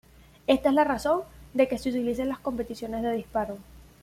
Esta es la razón de que se utilice en las competiciones de disparo.